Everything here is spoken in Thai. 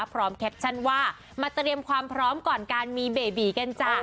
แคปชั่นว่ามาเตรียมความพร้อมก่อนการมีเบบีกันจ้ะ